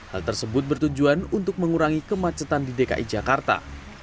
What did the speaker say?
hal tersebut bertujuan untuk mengurangi kemacetan di dki jakarta